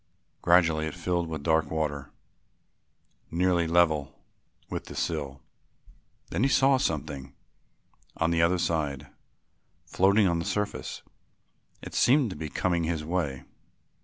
Gradually it filled with dark water nearly level with the sill. Then he saw something on the other side, floating on the surface. It seemed to be coming his way.